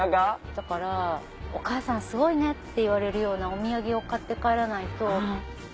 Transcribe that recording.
だから「お母さんすごいね」って言われるようなお土産を買って帰らないと。